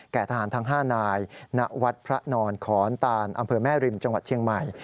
ทหารทั้ง๕นายณวัดพระนอนขอนตานอำเภอแม่ริมจังหวัดเชียงใหม่